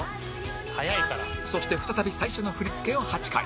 そして再び最初の振り付けを８回